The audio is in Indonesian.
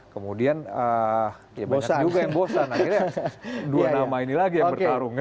kemudian ya banyak juga yang bosan akhirnya dua nama ini lagi yang bertarung ya